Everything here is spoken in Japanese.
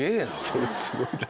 それすごいね。